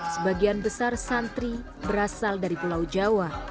sebagian besar santri berasal dari pulau jawa